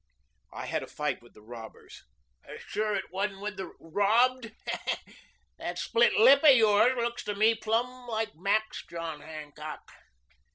"I had a fight with the robbers." "Sure it wasn't with the robbed. That split lip of yours looks to me plumb like Mac's John Hancock."